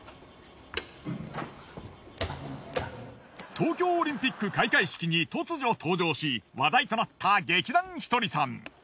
東京オリンピック開会式に突如登場し話題となった劇団ひとりさん。